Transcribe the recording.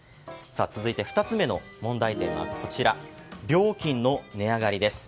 続いて２つ目の問題点は料金の値上がりです。